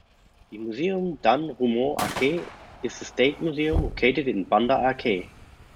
The Museum dan Rumoh Aceh is the State Museum, located in Banda Aceh.